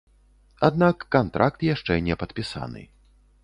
Аднак кантракт яшчэ не падпісаны.